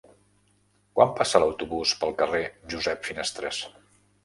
Quan passa l'autobús pel carrer Josep Finestres?